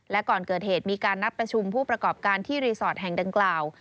และก่อนเกิดเหตุมีการนัดประชุมผู้ประกอบการที่รีสอร์ทแห่งดังกล่าว